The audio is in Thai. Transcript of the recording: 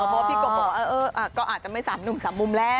เพราะว่าพี่กบบอกว่าก็อาจจะไม่สามหนุ่มสามมุมแล้ว